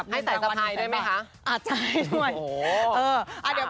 ให้ใส่สะพายได้มั้ยคะ